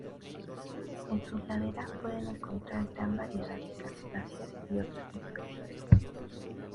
En sus laderas pueden encontrar gran variedad de cactáceas y otras especies.